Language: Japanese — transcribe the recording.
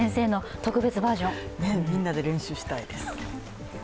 みんなで練習したいです。